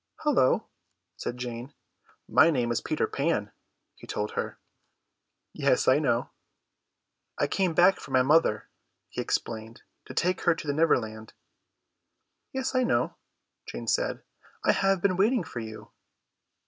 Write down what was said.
"Hullo," said Jane. "My name is Peter Pan," he told her. "Yes, I know." "I came back for my mother," he explained, "to take her to the Neverland." "Yes, I know," Jane said, "I have been waiting for you."